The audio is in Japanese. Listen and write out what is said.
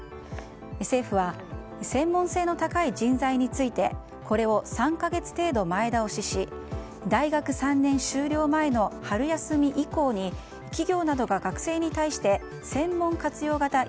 政府は専門性の高い人材についてこれを３か月程度前倒しし大学３年終了前の春休み以降にＧＥＴＲＥＦＲＥＳＨＥＤ！